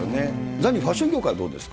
ザニー、ファッション業界はどうですか？